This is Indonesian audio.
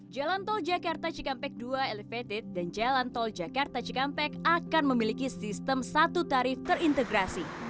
jalan tol jakarta cikampek dua elevated dan jalan tol jakarta cikampek akan memiliki sistem satu tarif terintegrasi